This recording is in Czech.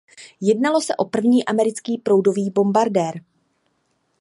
Jednalo se o první americký proudový bombardér.